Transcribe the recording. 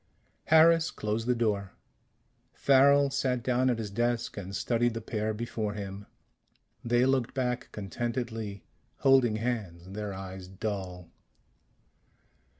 Harris closed the door. Farrel sat down at his desk and studied the pair before him. They looked back contentedly, holding hands, their eyes dull.